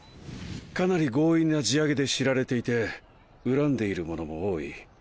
かなり強引な地上げで知られていて恨んでいる者も多い。